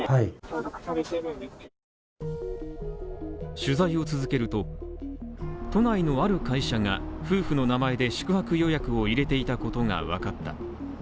取材を続けると、都内のある会社が夫婦の名前で宿泊予約を入れていたことがわかった。